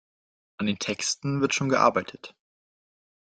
An den Texten wird schon gearbeitet.